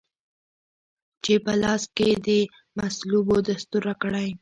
چي په لاس کې د مصلوبو دستور راکړی